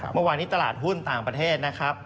เมื่อวานนี้ตลาดหุ้นต่างประเทศนะครับ